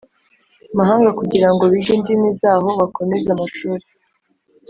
mahanga kugira ngo bige indimi zaho bakomeze amashuri